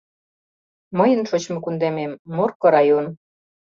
— Мыйын шочмо кундемем — Морко район.